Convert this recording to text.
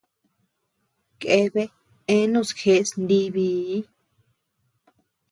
Keabea eanus jeʼes nibii.